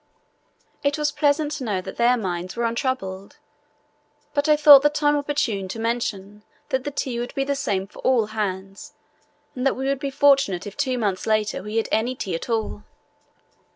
It was pleasant to know that their minds were untroubled, but I thought the time opportune to mention that the tea would be the same for all hands and that we would be fortunate if two months later we had any tea at all.